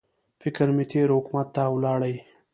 فکر مې تېر حکومت ته ولاړی.